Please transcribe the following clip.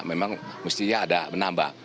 memang mestinya ada menambah